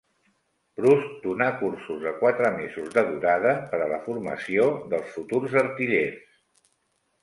Proust donà cursos de quatre mesos de durada per a la formació dels futurs artillers.